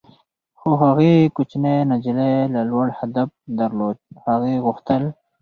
خو هغې کوچنۍ نجلۍ لا لوړ هدف درلود - هغې غوښتل.